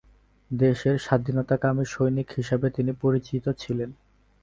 দেশের স্বাধীনতাকামী সৈনিক হিসাবে তিনি পরিচিত ছিলেন।